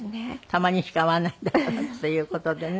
たまにしか会わないんだからっていう事でね。